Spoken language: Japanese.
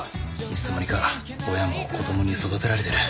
いつの間にか親も子どもに育てられてる。